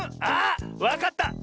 あわかった！